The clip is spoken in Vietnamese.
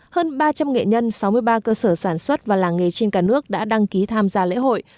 hơn ba trăm linh nghệ nhân sáu mươi ba cơ sở sản xuất và làng nghề trên cả nước đã đăng ký tham gia lễ hội